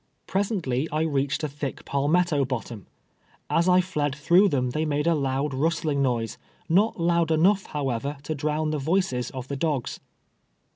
Presently I reached a thick palmetto bottom. As I fled througli thi'iii they made a loud rustling noise, not loud enougli, howevei", to drown the voices of the dogs.